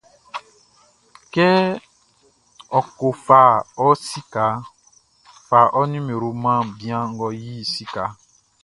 Kɛ á kɔ́ fa ɔ sikaʼn, fa ɔ nimeroʼn man bian ngʼɔ yi sikaʼn.